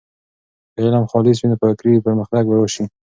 که علم خالص وي، نو فکري پرمختګ به راسي.